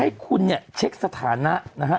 ให้คุณเนี่ยเช็คสถานะนะฮะ